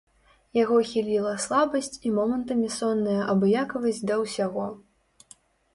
Яго хіліла слабасць і момантамі сонная абыякавасць да ўсяго.